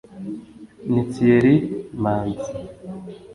ni Thierry (Manzi)